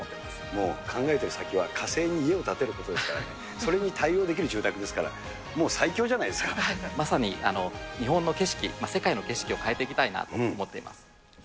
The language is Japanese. もう考えてる先は火星に家を建てることですからね、それに対応できる住宅ですから、もう最強まさに日本の景色、世界の景色を変えていきたいなと思っています。